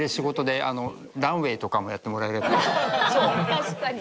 確かに。